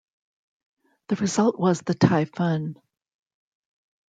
The result was the Taifun.